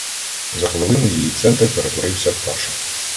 За хвилину її центр перетворився в кашу.